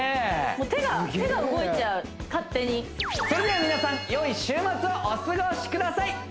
手が動いちゃう勝手にそれでは皆さんよい週末をお過ごしください！